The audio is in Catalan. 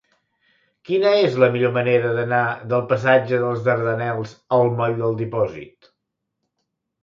Quina és la millor manera d'anar del passatge dels Dardanels al moll del Dipòsit?